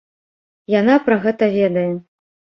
Яна пра гэта ведае.